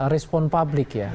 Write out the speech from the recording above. respon publik ya